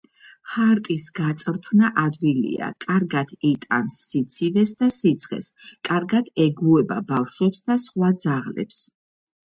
ჰარტის გაწვრთნა ადვილია, კარგად იტანს სიცივეს და სიცხეს, კარგად ეგუება ბავშვებს და სხვა ძაღლებს.